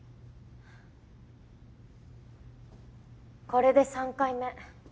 これで３回目。